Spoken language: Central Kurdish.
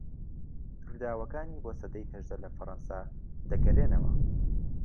رووداوەکانی بۆ سەدەی هەژدە لە فەڕەنسا دەگەرێنەوە